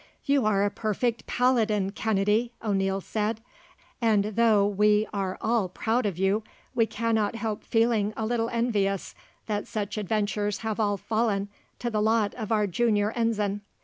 "You are a perfect paladin, Kennedy," O'Neil said; "and, though we are all proud of you, we cannot help feeling a little envious that such adventures have all fallen to the lot of our junior ensign.